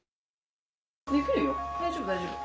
できるよ大丈夫大丈夫。